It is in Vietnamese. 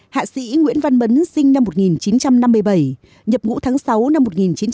hạ sĩ nguyễn văn bấn sinh năm một nghìn chín trăm năm mươi bảy nhập ngũ tháng sáu năm một nghìn chín trăm bảy mươi